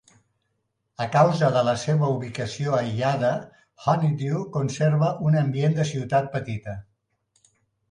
A causa de la seva ubicació aïllada, Honeydew conserva un ambient de ciutat petita.